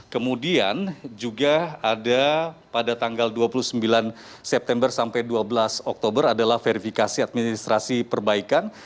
kemudian juga ada pada tanggal dua puluh sembilan september sampai dua belas oktober adalah verifikasi administrasi perbaikan